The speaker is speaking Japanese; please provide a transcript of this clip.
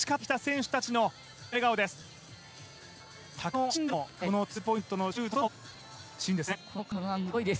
高田の視点でのツーポイントのシュートのシーンです。